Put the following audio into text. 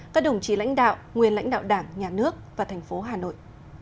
các đồng chí lãnh đạo nguyên lãnh đạo đảng nhà nước và thành phố hà nội